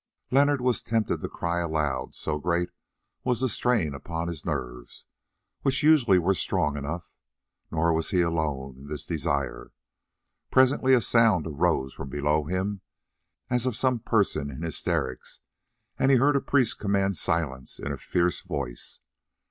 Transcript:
Leonard was tempted to cry aloud, so great was the strain upon his nerves, which usually were strong enough; nor was he alone in this desire. Presently a sound arose from below him, as of some person in hysterics, and he heard a priest command silence in a fierce voice.